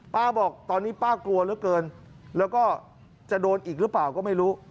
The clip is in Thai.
บอกตอนนี้ป้ากลัวเหลือเกินแล้วก็จะโดนอีกหรือเปล่าก็ไม่รู้